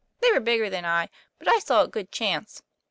They were bigger than I; but I saw a good chance.